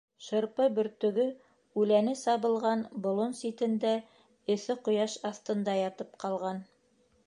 Шырпы бөртөгө үләне сабылған болон ситендә, эҫе ҡояш аҫтында, ятып ҡалған.